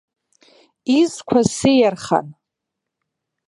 Изқәа сеиархан.